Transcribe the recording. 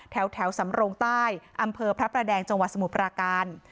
แถวสำโรงใต้อำเภอพระประแดงจังหวัดสมุทรปราการ